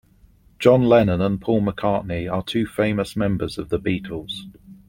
John Lennon and Paul McCartney are two famous members of the Beatles.